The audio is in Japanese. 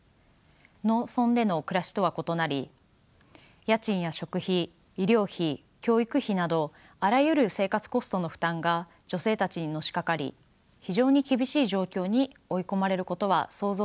農村での暮らしとは異なり家賃や食費医療費教育費などあらゆる生活コストの負担が女性たちにのしかかり非常に厳しい状況に追い込まれることは想像に難くありません。